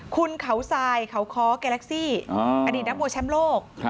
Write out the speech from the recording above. คุณเขาทรายเขาค้อแกลักซี่อดีตนักมวยแชมป์โลก